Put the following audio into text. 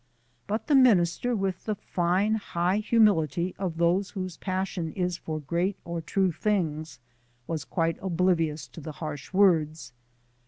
But the minister, with the fine, high humility of those whose passion is for great or true things, was quite oblivious to the harsh words.